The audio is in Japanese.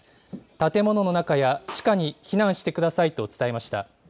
建物の中や地下に避難してくださいと伝えました。